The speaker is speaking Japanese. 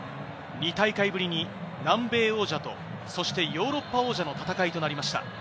２大会ぶりに南米王者と、そしてヨーロッパ王者の戦いとなりました。